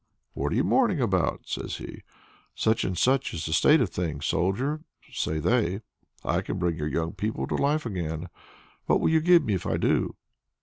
"What are you mourning about?" says he. "Such and such is the state of things, Soldier," say they. "I can bring your young people to life again. What will you give me if I do?"